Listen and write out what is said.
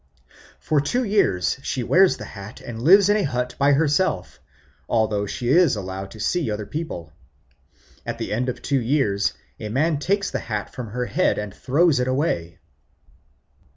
For two years she wears the hat and lives in a hut by herself, although she is allowed to see other people. At the end of two years a man takes the hat from her head and throws it away.